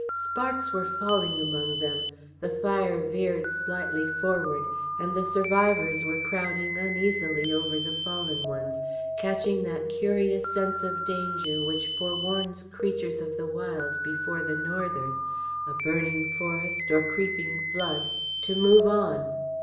Sparks were falling among them, the fire veered slightly forward; and the survivors were crowding uneasily over the fallen ones, catching that curious sense of danger which forewarns creatures of the wild before the Northers, a burning forest, or creeping flood, to move on.